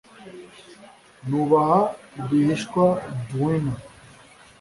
Nubaha rwihishwa duenna